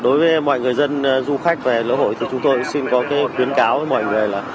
đối với mọi người dân du khách về lễ hội thì chúng tôi xin có khuyến cáo với mọi người là